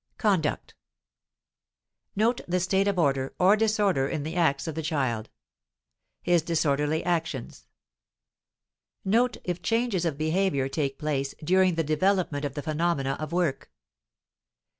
CONDUCT. Note the state of order or disorder in the acts of the child. His disorderly actions. Note if changes of behavior take place during the development of the phenomena of work.